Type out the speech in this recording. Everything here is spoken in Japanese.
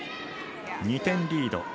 ２点リード。